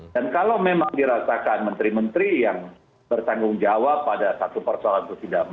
dan kalau memang dirasakan menteri menteri yang bertanggung jawab pada satu persoalan itu tidak mampu